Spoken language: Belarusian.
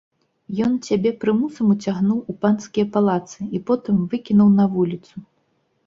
Ён цябе прымусам уцягнуў у панскія палацы і потым выкінуў на вуліцу!